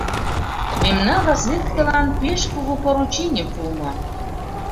Мемнан разведкылан пеш кугу порученийым пуымо.